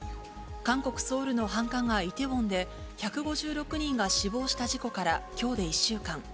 韓国・ソウルの繁華街、イテウォンで、１５６人が死亡した事故からきょうで１週間。